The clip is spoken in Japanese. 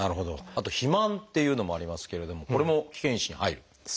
あと肥満っていうのもありますけれどもこれも危険因子に入る？